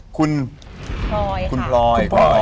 คุณคุณปลอยค่ะ